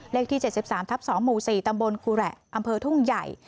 เลขที่๗๓ทับ๒หมู่๔ตำบลครูแหละอำเภอทุ่งใหญ่